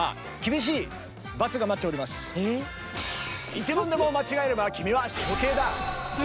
１問でも間違えれば君は処刑だ。